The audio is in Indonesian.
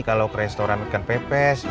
kalau ke restoran ikan pepes